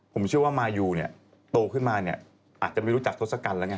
ผมเชื่อว่ามายูเนี่ยโตขึ้นมาเนี่ยอาจจะไม่รู้จักทศกัณฐ์แล้วไง